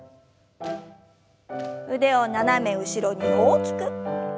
腕を斜め後ろに大きく。